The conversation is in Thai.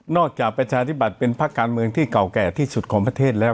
ประชาธิบัติเป็นภาคการเมืองที่เก่าแก่ที่สุดของประเทศแล้ว